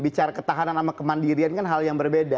bicara ketahanan sama kemandirian kan hal yang berbeda